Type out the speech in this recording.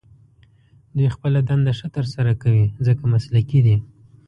دوی خپله دنده ښه تر سره کوي، ځکه مسلکي دي.